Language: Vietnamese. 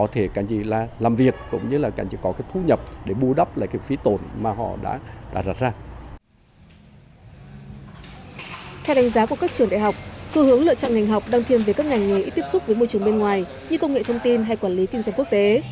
theo đánh giá của các trường đại học xu hướng lựa chọn ngành học đang thiên về các ngành nghề ít tiếp xúc với môi trường bên ngoài như công nghệ thông tin hay quản lý kinh doanh quốc tế